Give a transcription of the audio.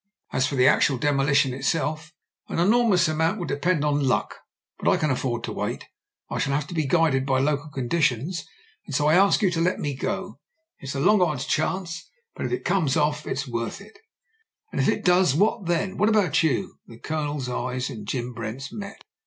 As for the actual de molition itself, an enormous amount will depend on luck; but I can afford to wait I shall have to be guided by local conditions. And so I ask you to let me go. It's a long odds chance, but if it comes off it's worth it" "And if it does, what then? What about you?" The O)loners eyes and Jim Brent's met.